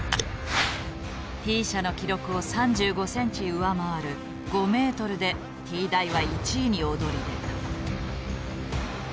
Ｔ社の記録を３５センチ上回る５メートルでＴ大は１位に躍り出た。